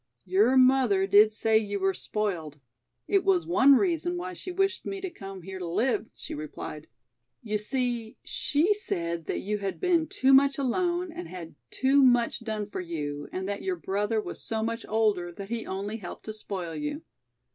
"Your mother did say you were spoiled; it was one reason why she wished me to come here to live," she replied. "You see, she said that you had been too much alone and had too much done for you and that your brother was so much older that he only helped to spoil you.